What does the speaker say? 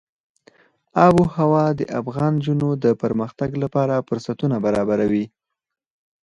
آب وهوا د افغان نجونو د پرمختګ لپاره فرصتونه برابروي.